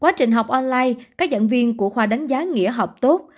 quá trình học online các giảng viên của khoa đánh giá nghĩa học tốt